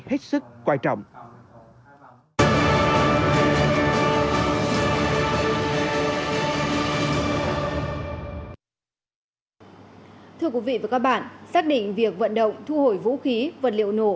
hết sức quan trọng thưa quý vị và các bạn xác định việc vận động thu hồi vũ khí vật liệu nổ